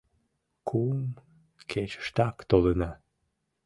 Кум кечыштак толына.